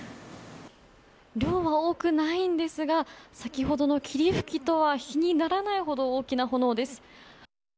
量は多くないんですが先ほどの霧吹きとは比にならないほど大きな炎です。